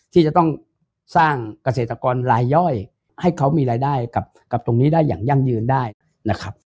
ที่จะต้องสร้างเกษตรกรลายย่อยให้เขามีรายได้กับตรงนี้ได้อย่างยั่งยืนได้นะครับ